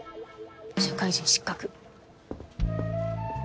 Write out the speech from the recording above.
社会人失格。